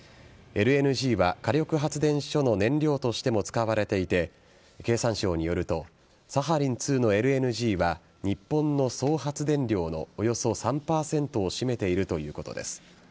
ＬＮＧは火力発電所の燃料としても使われていて経産省によるとサハリン２のＬＮＧは日本の総発電量のおよそ３％を占めているということです。